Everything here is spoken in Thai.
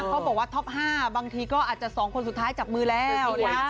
เขาบอกว่าท็อป๕บางทีก็อาจจะ๒คนสุดท้ายจับมือแล้วนะ